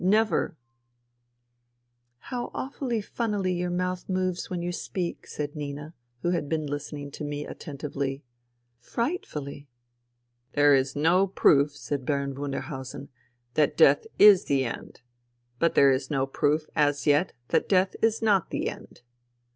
Never, ..."'' How awfully funnily your mouth moves when you speak," said Nina, who had been listening to me attentively. " Frightfully !" "There is no proof," said Baron Wunderhausen, THE REVOLUTION 105 " that death is the end. But there is no proof, as yet, that death is not the end."